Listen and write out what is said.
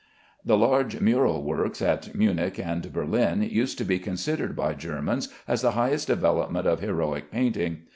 The large mural works at Munich and Berlin used to be considered by Germans as the highest development of heroic painting.